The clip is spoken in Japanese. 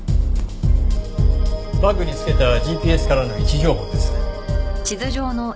バッグにつけたＧＰＳからの位置情報です。